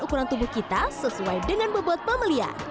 ukuran tubuh kita sesuai dengan bebot pemelia